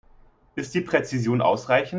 Ist die Präzision ausreichend?